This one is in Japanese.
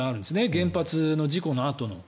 原発の事故のあとの。